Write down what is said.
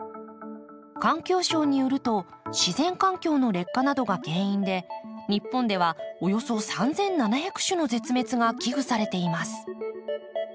環境省によると自然環境の劣化などが原因で日本ではおよそ３，７００種の絶滅が危惧されています。